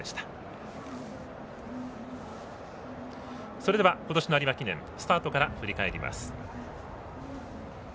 それでは今年の有馬記念スタートから振り返ります。